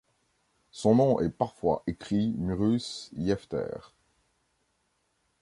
Son nom est parfois écrit Muruse Yefter.